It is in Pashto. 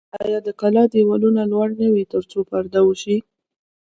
آیا د کلا دیوالونه لوړ نه وي ترڅو پرده وشي؟